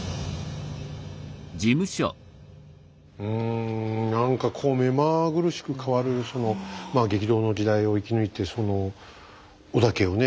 うん何かこう目まぐるしく変わるその激動の時代を生き抜いてその織田家をね